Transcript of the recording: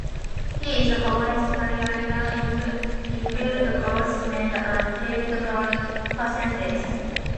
He is Hawaii's career leader in field goals made and field goal percentage.